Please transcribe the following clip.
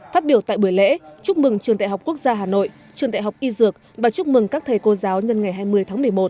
phát biểu tại buổi lễ chúc mừng trường đại học quốc gia hà nội trường đại học y dược và chúc mừng các thầy cô giáo nhân ngày hai mươi tháng một mươi một